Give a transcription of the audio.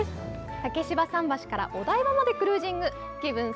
竹芝桟橋からお台場までクルージング。